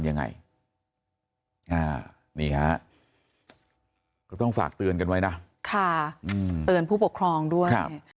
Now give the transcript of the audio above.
นี่ค่ะก็ต้องฝากเตือนกันไว้นะค่ะเตือนผู้ปกครองด้วย